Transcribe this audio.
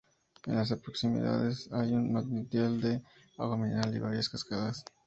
En las proximidades hay un manantial de agua mineral y varias cascadas.